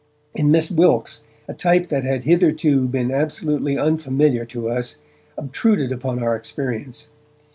In Miss Wilkes a type that had hitherto been absolutely unfamiliar to us obtruded upon our experience.